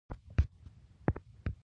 شپه ماخوستن نهه نیمې بجې لاهور ته ورسېدو.